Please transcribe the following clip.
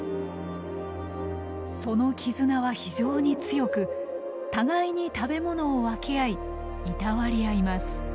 その絆は非常に強く互いに食べ物を分け合いいたわり合います。